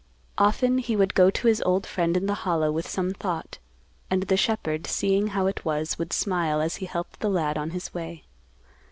Often he would go to his old friend in the Hollow with some thought, and the shepherd, seeing how it was, would smile as he helped the lad on his way.